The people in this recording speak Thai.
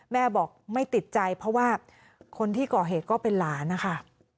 แม่บอกไม่ติดใจเพราะว่าคนที่ก่อเหตุก็เป็นหลานนะคะ